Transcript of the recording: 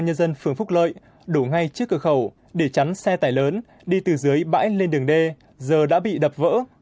tại vì ban nhân dân phương phúc lợi đổ ngay chiếc cửa khẩu để chắn xe tải lớn đi từ dưới bãi lên đường d giờ đã bị đập vỡ